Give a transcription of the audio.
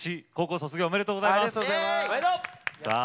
高校卒業おめでとうございます。